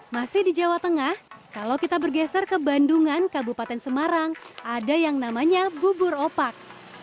masih di jawa tengah kalau kita bergeser ke bandungan kabupaten semarang ada yang namanya bubur opak